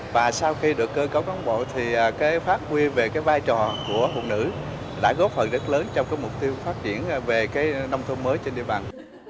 và sau khi được cơ cấu cán bộ thì phát huy về vai trò của nữ đã góp phần rất lớn trong mục tiêu phát triển về nông thôn mới trên địa bàn